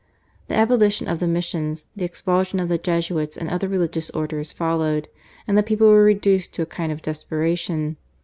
The abolition of the missions, the expulsion of the Jesuits, and other religious Orders followed, and the people were reduced to a kind of desperation.